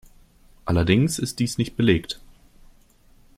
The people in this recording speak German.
Allerdings ist dies nicht belegt.